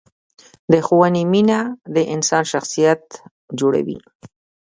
د ښوونې مینه د انسان شخصیت جوړوي.